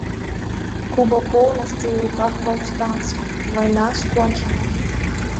Куба поўнасцю ў руках паўстанцаў, вайна скончаная.